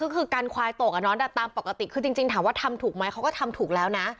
ก็คือการควายตกอะเนาะตามปกติคือจริงถามว่าทำถูกไหมเขาก็ทำถูกแล้วนะ